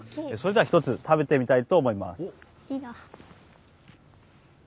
それでは１つ食べてみたいと思います。